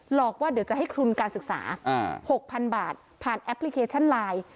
หลอกว่าเดี๋ยวจะให้ทุนการศึกษา๖๐๐๐บาทผ่านแอปพลิเคชันไลน์